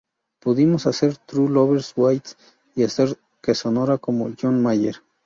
Pudimos hacer 'True Love Waits' y hacer que sonara como John Mayer.